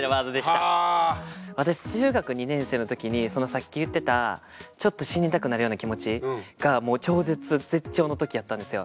私中学２年生の時にそのさっき言ってたちょっと死にたくなるような気持ちがもう超絶絶頂の時やったんですよ。